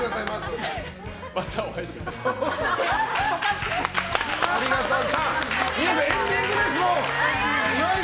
またお会いしましょう。